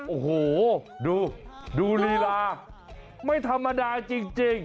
โอ้โหดูดูลีลาไม่ธรรมดาจริง